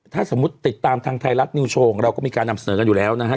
ถ้าสมมุติติดตามทางไทยรัฐนิวโชว์ของเราก็มีการนำเสนอกันอยู่แล้วนะฮะ